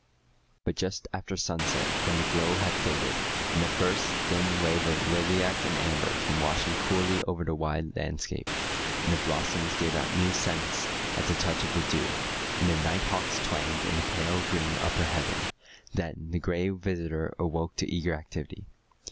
"] But just after sunset, when the glow had faded, and the first thin wave of lilac and amber came washing coolly over the wide landscape, and the blossoms gave out new scents at the touch of the dew, and the night hawks twanged in the pale green upper heaven, then the Gray Visitor awoke to eager activity.